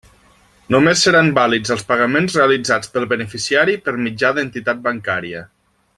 Només seran vàlids els pagaments realitzats pel beneficiari per mitjà d'entitat bancària.